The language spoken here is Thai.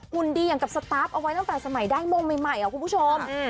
หุ่นดีอย่างกับสตาร์ฟเอาไว้ตั้งแต่สมัยได้มงใหม่คุณผู้ชม